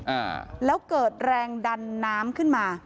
อ่าแล้วเกิดแรงดันน้ำขึ้นมา